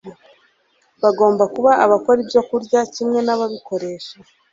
Bagomba kuba abakora ibyokurya kimwe nababikoresha